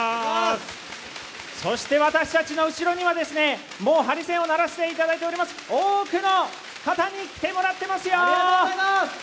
そして私たちの後ろにはハリセンを鳴らしていただいている多くの方に来てもらっていますよ！